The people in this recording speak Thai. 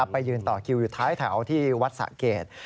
ไปยืนต่อคิวอยู่ท้ายแถวที่วัดสะเกด